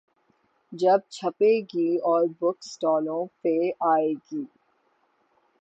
جب چھپے گی اور بک سٹالوں پہ آئے گی۔